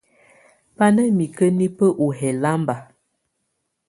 Bá ná mikǝ́ nibǝ́ u hɛlamba.